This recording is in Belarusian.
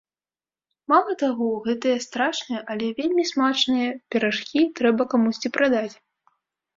Мала таго, гэтыя страшныя, але вельмі смачныя піражкі трэба камусьці прадаць!